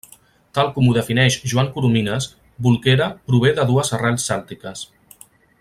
Tal com ho defineix Joan Coromines, Bolquera prové de dues arrels cèltiques.